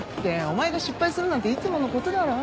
お前が失敗するなんていつものことだろ？